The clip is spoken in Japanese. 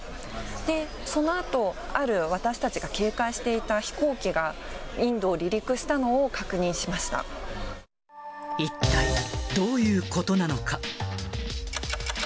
で、そのあと、ある私たちが警戒していた飛行機が、インドを離陸一体どういうことなのか。